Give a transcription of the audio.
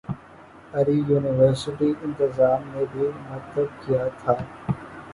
اری یونیورسٹی انتظام نے بھی متب کیا تھا